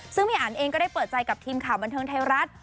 ซึ่งพี่อันเองก็ได้เปิดใจกับทีมข่าวบันเทิงไทยรัฐ